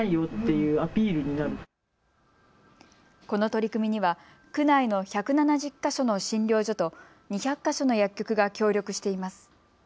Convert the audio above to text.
この取り組みには区内の１７０か所の診療所と２００か所の薬局が協力しています。